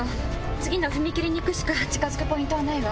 次の踏切に行くしか近づくポイントはないわ。